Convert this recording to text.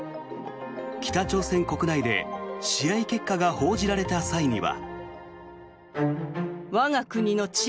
北朝鮮国内で試合結果が報じられた際には。